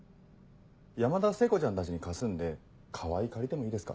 山田聖子ちゃんたちに貸すんで川合借りてもいいですか？